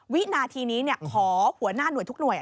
วินาทีนี้ขอหัวหน้าหน่วยทุกหน่วย